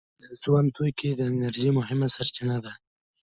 د سون توکي د انرژۍ مهمه سرچینه ده.